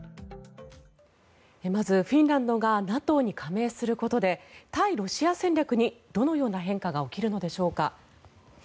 まず、フィンランドがＮＡＴＯに加盟することで対ロシア戦略にどのような変化が起きるのでしょうか。